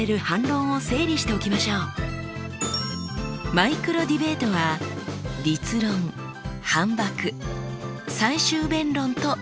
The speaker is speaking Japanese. マイクロディベートは立論反ばく最終弁論と進みます。